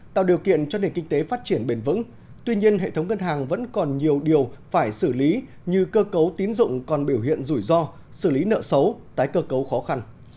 tạo điều kiện cho nền kinh tế phát triển bền vững tuy nhiên hệ thống ngân hàng vẫn còn nhiều điều phải xử lý như cơ cấu tín dụng còn biểu hiện rủi ro xử lý nợ xấu tái cơ cấu khó khăn